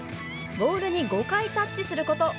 ボールに５回タッチすること。